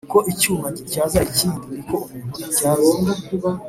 Uko icyuma gityaza ikindi Ni ko umuntu atyaza